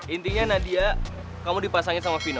intinya nadia kamu dipasangin sama vina